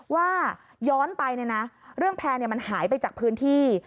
ว่าย้อนไปเนี่ยนะเรื่องแพร่มันหายไปจากพื้นที่